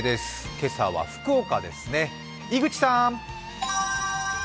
今朝は福岡ですね、井口さん。